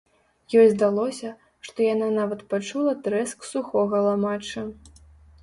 Ёй здалося, што яна нават пачула трэск сухога ламачча.